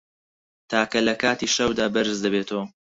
تاکە له کاتی شەودا بەرز دەبێتەوه